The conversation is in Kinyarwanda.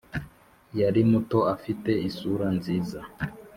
yari muto, afite isura nziza,